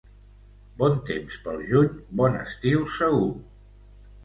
Bon temps pel juny, bon estiu segur.